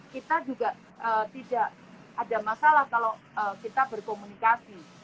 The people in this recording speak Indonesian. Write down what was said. kita juga tidak ada masalah kalau kita berkomunikasi